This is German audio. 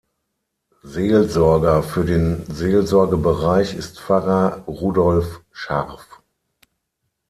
Seelsorger für den Seelsorgebereich ist Pfarrer Rudolf Scharf.